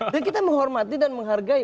dan kita menghormati dan menghargai